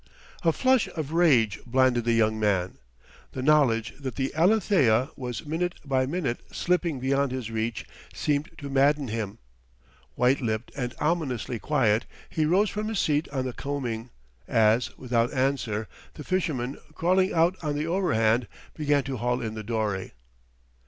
A flush of rage blinded the young man. The knowledge that the Alethea was minute by minute slipping beyond his reach seemed to madden him. White lipped and ominously quiet he rose from his seat on the combing, as, without answer, the fisherman, crawling out on the overhand, began to haul in the dory.